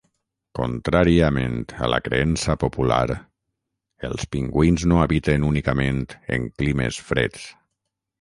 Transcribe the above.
Contràriament a la creença popular, els pingüins no habiten únicament en climes freds.